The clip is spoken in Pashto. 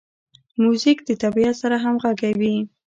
موزیک د طبیعت سره همغږی وي.